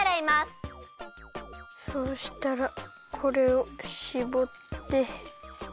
そうしたらこれをしぼって。